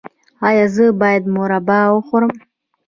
ایا زه باید مربا وخورم؟